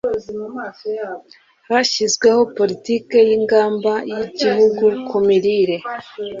hashyizweho politiki n'ingamba by'igihugu ku mirire